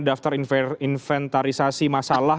setelah inventarisasi masalah